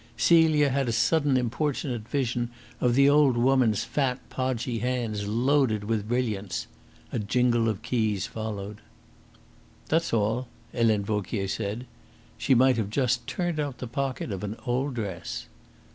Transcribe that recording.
Celia had a sudden importunate vision of the old woman's fat, podgy hands loaded with brilliants. A jingle of keys followed. "That's all," Helene Vauquier said. She might have just turned out the pocket of an old dress.